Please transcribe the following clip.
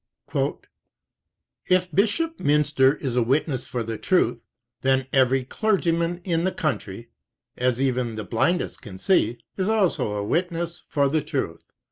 "If Bishop Mynster is a witness for the Truth, then every clergyman in the country, as even the blindest can see, is also a witness for the Truth.